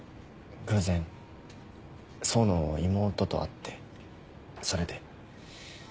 偶然想の妹と会ってそれで。